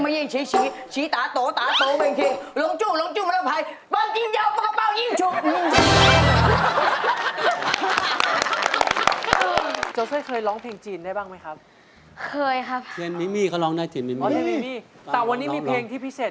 มั่งแสงสูน้ำแสงสูน้ำปีนเก๋งติด